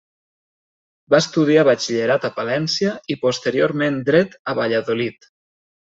Va estudiar batxillerat a Palència i posteriorment Dret a Valladolid.